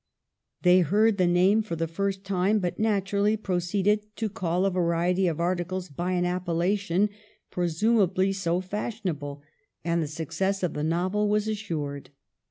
They heard the name for the first time, but naturally proceeded to call a variety of articles by an appellation presumably so fashionable, and the success of the novel was assured.